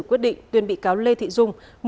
quyết định tuyên bị cáo lê thị dung